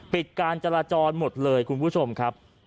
ปิดการจราจรหมดเลยคุณผู้ชมครับ